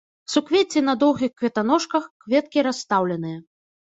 Суквецці на доўгіх кветаножках, кветкі расстаўленыя.